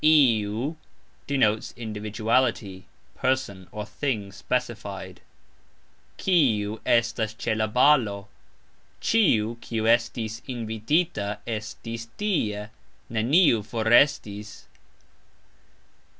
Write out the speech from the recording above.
"iu" denotes individuality, person, or thing specified. "Kiu" estis cxe la balo? "Cxiu, kiu" estis invitita, estis tie, "neniu" forestis.